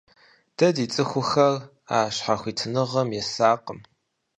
Дэ ди цӀыхухэр а щхьэхуитыныгъэм есакъым.